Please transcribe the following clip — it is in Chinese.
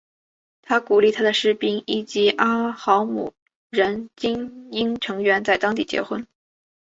他鼓励他的士兵以及阿豪姆人精英成员在当地结婚。